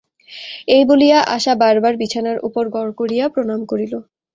এই বলিয়া আশা বার বার বিছানার উপর গড় করিয়া প্রণাম করিল।